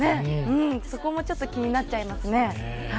そこもちょっと気になっちゃいますね。